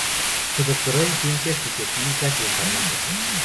Se doctoró en ciencias fisicoquímicas y en farmacia.